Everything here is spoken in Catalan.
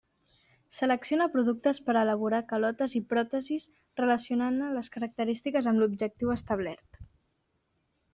Selecciona productes per elaborar calotes i pròtesis relacionant-ne les característiques amb l'objectiu establert.